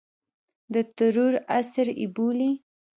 د ترور عصر یې بولي.